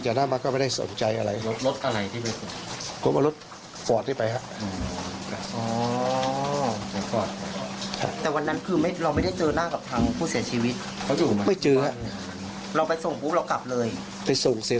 แต่วันนั้นคือไม่เจออะไรผิดปกติไม่มีอะไรทั้งที่